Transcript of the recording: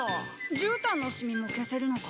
じゅうたんのシミも消せるのか？